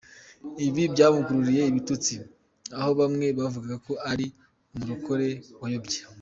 Ibi byamukururiye ibitutsi aho bamwe bavugaga ko ‘ari umurokore wayobye’.